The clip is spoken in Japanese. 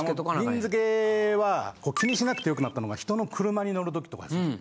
あのびんつけは気にしなくてよくなったのが人の車に乗る時とかですね。